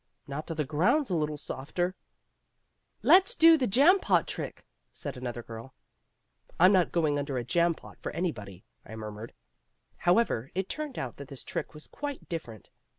"Not till the ground's a little softer." "Let's do the jam pot trick," said another girl. "I'm not going under a jam pot for anybody," I murmured. However, it turned out that this trick was quite different.